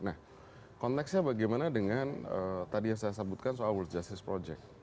nah konteksnya bagaimana dengan tadi yang saya sebutkan soal world justice project